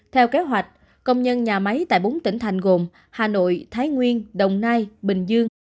theo kế hoạch công nhân nhà máy tại bốn tỉnh thành gồm hà nội thái nguyên đồng nai bình dương